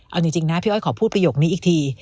เอาจริงนะพี่อ้อยขอพูดประโยคนี้อีกที